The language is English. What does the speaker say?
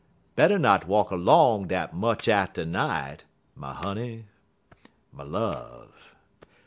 Better not walk erlong dar much atter night, My honey, my love!